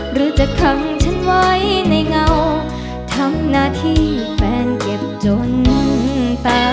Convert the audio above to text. หรือจะขังฉันไว้ในเงาทำหน้าที่แฟนเก็บจนแต่